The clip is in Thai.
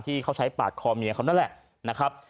ที่เขาใช้ปาดคอเมียเขานั่นแหละนะครับ